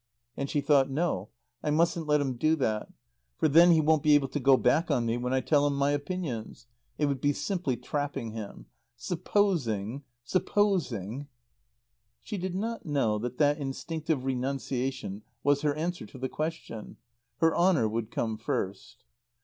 And she thought: "No. I mustn't let him do that. For then he won't be able to go back on me when I tell him my opinions. It would be simply trapping him. Supposing supposing " She did not know that that instinctive renunciation was her answer to the question. Her honour would come first.